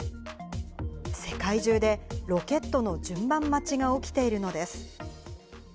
世界中でロケットの順番待ちが起きているのです。